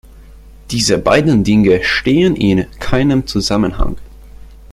Diese beiden Dinge stehen in keinem Zusammenhang.